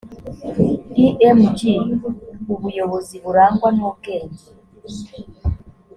img ubuyobozi burangwa n ubwenge